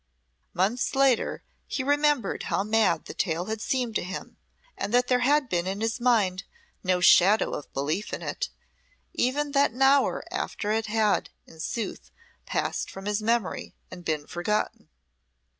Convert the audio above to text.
Months later he remembered how mad the tale had seemed to him, and that there had been in his mind no shadow of belief in it; even that an hour after it had, in sooth, passed from his memory and been forgotten.